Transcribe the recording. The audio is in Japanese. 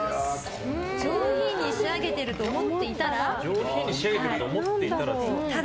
上品に仕上げてると思っていたら。